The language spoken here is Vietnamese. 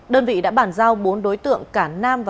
đơn vị đã bản giao bốn đối tượng cả nam